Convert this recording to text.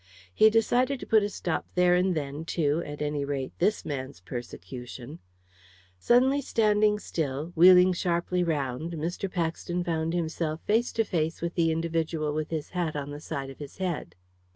He decided to put a stop there and then to, at any rate, this man's persecution. Suddenly standing still, wheeling sharply round, Mr. Paxton found himself face to face with the individual with his hat on the side of his head.